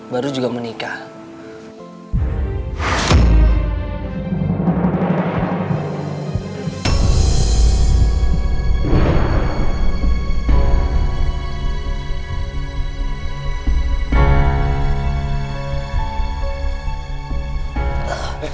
baru juga menikah